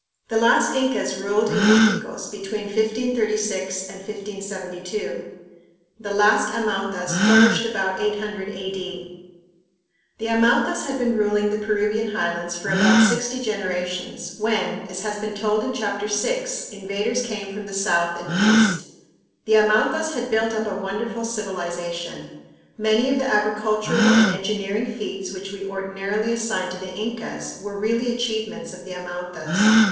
The last Incas ruled in Uiticos between 1536 and 1572. The last Amautas flourished about 800 A.D. FIGURE Puma Urco, near Paccaritampu The Amautas had been ruling the Peruvian highlands for about sixty generations, when, as has been told in Chapter VI, invaders came from the south and east. The Amautas had built up a wonderful civilization. Many of the agricultural and engineering feats which we ordinarily assign to the Incas were really achievements of the Amautas.